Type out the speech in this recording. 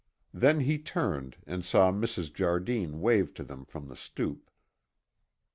Then he turned and saw Mrs. Jardine wave to them from the stoop.